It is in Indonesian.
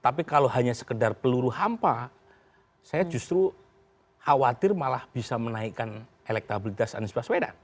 tapi kalau hanya sekedar peluru hampa saya justru khawatir malah bisa menaikkan elektabilitas anies baswedan